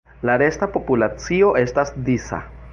La resta populacio estas disa.